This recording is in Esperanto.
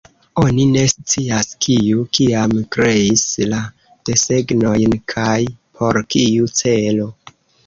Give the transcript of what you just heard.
Oni ne scias, kiu kiam kreis la desegnojn kaj por kiu celo.